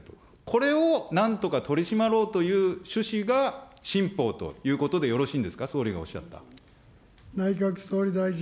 これをなんとか取り締まろうという趣旨が、新法ということでよろしいんですか、総理がおっしゃった。